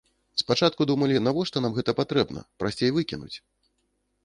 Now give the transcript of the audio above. Спачатку думалі, навошта нам гэта патрэбна, прасцей выкінуць.